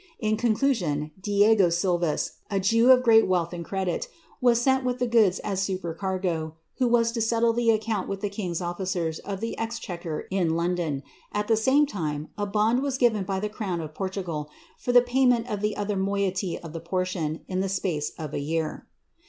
In conclusion, Diego Silvas, a Jew of great wealth and credit, was sent with the goods as sih percargo. who was to settle the account with tlie king^s officers of the ei I'hequer in London. At the same time a bond was given by the crown of Portugal, for the payment of the other moiety of the portiooi in ths space of a year.